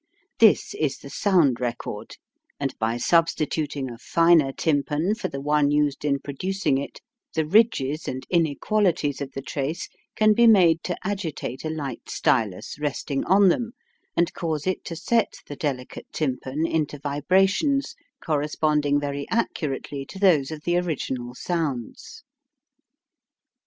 This is the sound record, and by substituting a finer tympan for the one used in producing it, the ridges and inequalities of the trace can be made to agitate a light stylus resting on them, and cause it to set the delicate tympan into vibrations corresponding very accurately to those of the original sounds.